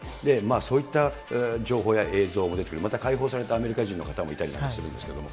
そういった情報や映像も出てくる、また解放されたアメリカ人の方もいたりなんかするんですけど。